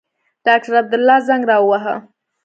ډاکټر عبدالله زنګ را ووهه.